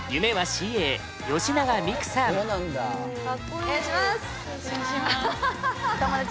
お願いします